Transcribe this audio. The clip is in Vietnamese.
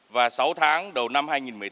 và sáu tháng đầu năm hai nghìn một mươi tám